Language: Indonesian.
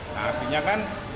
nah artinya kan